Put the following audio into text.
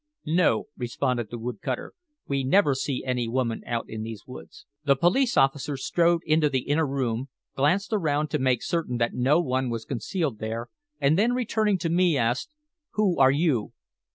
"No," responded the wood cutter. "We never see any woman out in these woods." The police officer strode into the inner room, glanced around to make certain that no one was concealed there, and then returning to me asked, "Who are you?"